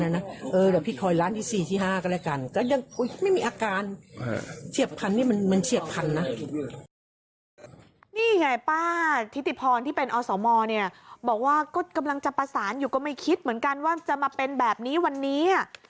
นี่ไงป้าทิติพรที่เป็นอสมเนี่ยบอกว่าก็กำลังจะประสานอยู่ก็ไม่คิดเหมือนกันว่าจะมาเป็นแบบนี้วันนี้